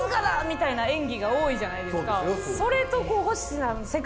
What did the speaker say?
みたいな演技が多いじゃないですか。